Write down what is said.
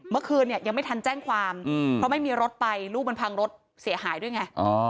เมื่อคืนเนี่ยยังไม่ทันแจ้งความเพราะไม่มีรถไปลูกมันพังรถเสียหายด้วยไง